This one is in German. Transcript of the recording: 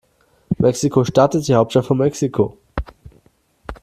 Mexiko-Stadt ist die Hauptstadt von Mexiko.